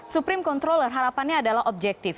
supreme controller harapannya adalah objektif